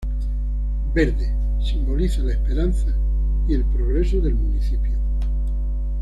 Verde: simboliza la esperanza y el progreso del municipio.